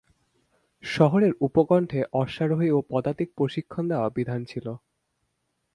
শহরের উপকণ্ঠে অশ্বারোহী ও পদাতিক প্রশিক্ষণ দেওয়ার বিধান ছিল।